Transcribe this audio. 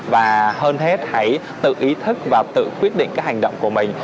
và hơn hết hãy tự ý thức và tự quyết định cái hành động của mình